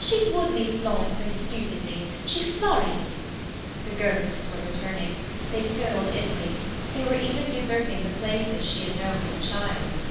"Well, she would leave Florence so stupidly. She flurried—" The ghosts were returning; they filled Italy, they were even usurping the places she had known as a child.